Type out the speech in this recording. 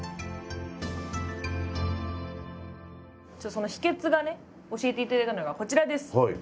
その秘けつがね教えていただいたのがこちらです。